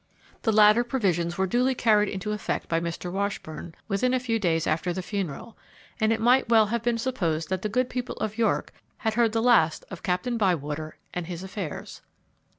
The latter provisions were duly carried into effect by Mr. Washburn within a few days after the funeral, and it might well have been supposed that the good people of York had heard the last of Captain Bywater and his affairs.